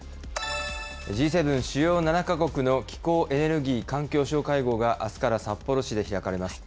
Ｇ７・主要７か国の気候・エネルギー・環境相会合があすから札幌市で開かれます。